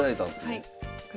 はい。